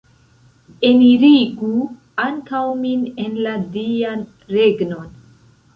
Enirigu ankaŭ min en la Dian regnon!